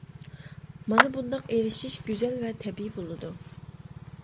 مانا بۇنداق ئېرىشىش گۈزەل ۋە تەبىئىي بولىدۇ.